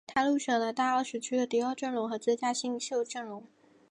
他入选了大十二区的第二阵容和最佳新秀阵容。